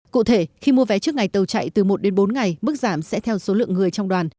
cụ thể khi mua vé trước ngày tàu chạy từ một đến bốn ngày mức giảm sẽ theo số lượng người trong đoàn